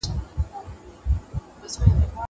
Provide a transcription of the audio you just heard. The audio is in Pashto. زه له سهاره د تکړښت لپاره ځم!!